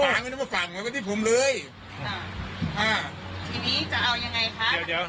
ป่าไม่ได้มาฝั่งเหมือนกับที่ผมเลยอ่าทีนี้จะเอายังไงค่ะเดี๋ยวเดี๋ยว